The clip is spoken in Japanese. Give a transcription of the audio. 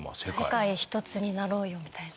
世界一つになろうよみたいな。